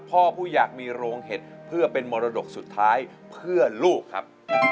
ผู้อยากมีโรงเห็ดเพื่อเป็นมรดกสุดท้ายเพื่อลูกครับ